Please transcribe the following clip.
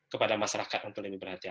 kepada masyarakat yang telah diberhatikan